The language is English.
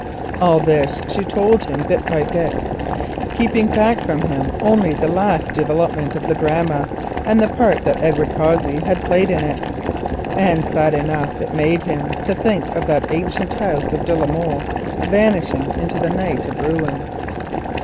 All this she told him bit by bit, only keeping back from him the last development of the drama with the part that Edward Cossey had played in it, and sad enough it made him to think of that ancient house of de la Molle vanishing into the night of ruin.